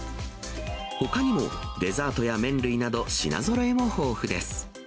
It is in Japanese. ほかにもデザートや麺類など、品ぞろえも豊富です。